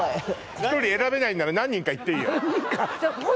１人選べないなら何人か言っていいよ